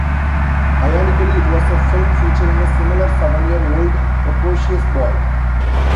Ironically it was a film featuring a similar seven-year-old precocious boy.